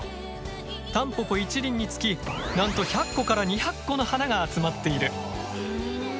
タンポポ１輪につきなんと１００個から２００個の花が集まっている。